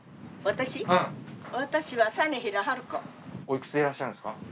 私はおいくつでいらっしゃるんですか？